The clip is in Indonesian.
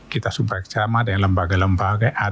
kita supaya sama ada yang lembaga lembaga